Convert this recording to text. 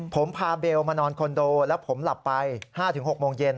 ผมพาเบลมานอนคอนโดแล้วผมหลับไป๕๖โมงเย็น